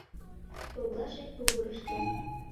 Совлаже тувырыштак.